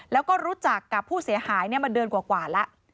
แล้วก็รู้จักกับผู้เสียหายมาเดือนกว่าแล้ว